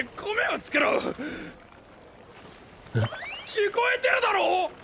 聞こえてるだろ！